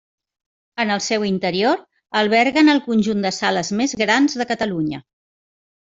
En el seu interior alberguen el conjunt de sales més grans de Catalunya.